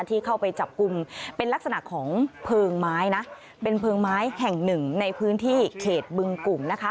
ที่เข้าไปจับกลุ่มเป็นลักษณะของเพลิงไม้นะเป็นเพลิงไม้แห่งหนึ่งในพื้นที่เขตบึงกลุ่มนะคะ